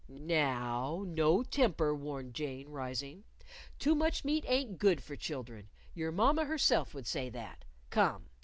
"Now, no temper," warned Jane, rising. "Too much meat ain't good for children. Your mamma herself would say that. Come!